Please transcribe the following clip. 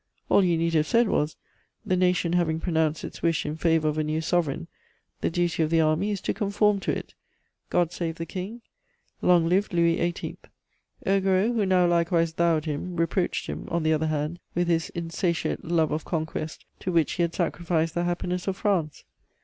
All you need have said was, "The Nation having pronounced its wish in favour of a new sovereign, the duty of the Army is to conform to it. God save the King! Long live Louis XVIII.!'" "Augereau, who now likewise thou'd him, reproached him, on the other hand, with his insatiate love of conquest, to which he had sacrificed the happiness of France.